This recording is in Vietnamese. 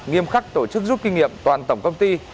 nghiêm khắc tổ chức rút kinh nghiệm toàn tổng công ty